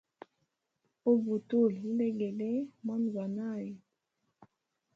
Ubutulwa ulegele mwana gwa nayu.